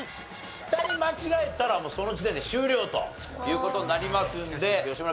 ２人間違えたらその時点で終了という事になりますので吉村